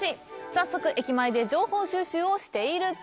早速、駅前で情報収集をしていると。